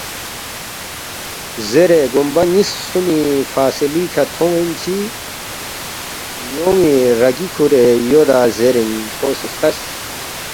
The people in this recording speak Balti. “ زیرے گومبہ نِ٘یس خسُومی فاصلی کھہ تھونین چی یون٘ی رَگی کُھورے یودا زیرےکھو سی ہلتس